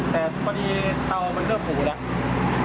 แต่พอดีเตามันเริ่มผูแล้ว